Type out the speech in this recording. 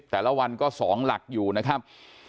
แต่ละวันก็๒หลักอยู่นะครับ